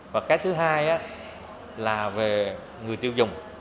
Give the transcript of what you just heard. và cái thứ hai là về người tiêu dùng